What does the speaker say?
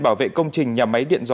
bảo vệ công trình nhà máy điện dịch